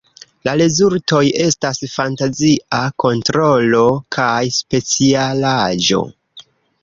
La rezultoj estas fantazia kontrolo kaj specialaĵo.